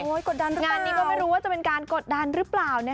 กดดันเรื่องนี้ก็ไม่รู้ว่าจะเป็นการกดดันหรือเปล่า